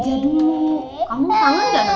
mama mau pergi kerja dulu